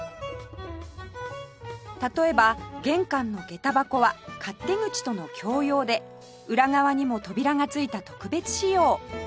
例えば玄関のげた箱は勝手口との共用で裏側にも扉が付いた特別仕様